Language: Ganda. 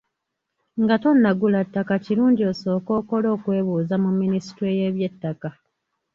Nga tonnagula ttaka kirungi osooke okole okwebuuza mu minisitule y’eby'ettaka.